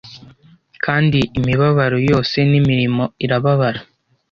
Kandi imibabaro yose n'imirimo irababara